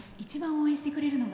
応援してくれるのが。